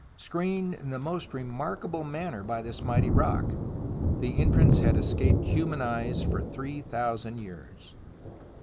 Screened in the most remarkable manner by this mighty rock, the entrance had escaped human eyes for three thousand years.